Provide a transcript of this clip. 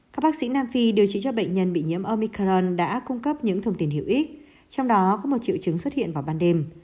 các bác sĩ nam phi điều trị cho bệnh nhân bị nhiễm omicron đã cung cấp những thông tin hữu ích trong đó có một triệu chứng xuất hiện vào ban đêm